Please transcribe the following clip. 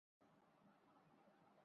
কথাটার কোন অংশটা বুঝতে পারছো না?